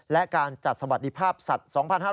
และการจัดสวัสดิภาพสัตว์๒๕๕๙